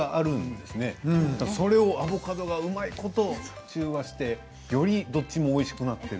でもそれをアボカドがうまいこと中和して、どちらもおいしくなっている。